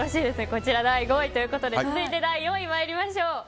こちらは第５位ということで続いて、第４位参りましょう。